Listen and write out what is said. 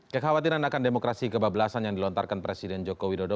kekhawatiran akan demokrasi kebablasan yang dilontarkan presiden joko widodo